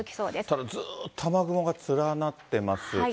ただ、ずっと雨雲が連なってます。